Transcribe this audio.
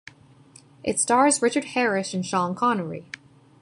It stars Richard Harris and Sean Connery.